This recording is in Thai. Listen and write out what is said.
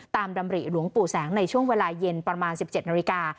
ตามดำริหลวงปู่แสงในช่วงเวลาเย็นประมาณ๑๗นาฬิกา